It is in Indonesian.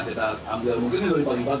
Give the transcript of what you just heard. kita ambil mungkin dari pagi pagi